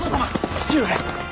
父上！